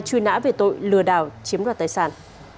truy nã về tội lừa đảo chiếm đoạt tài sản